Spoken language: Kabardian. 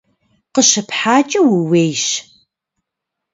КъыщыпхьакӀэ ууейщ!